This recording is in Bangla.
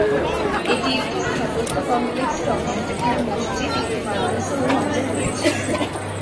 এটি একটি স্থাপত্য কমপ্লেক্সের অংশ, যেখানে মসজিদ, একটি মাদ্রাসা ও মাজার রয়েছে।